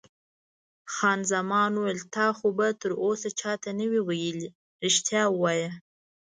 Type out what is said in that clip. خان زمان وویل: تا خو به تراوسه چا ته نه وي ویلي؟ رښتیا وایه.